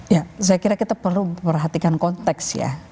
ya saya kira kita perlu perhatikan konteks ya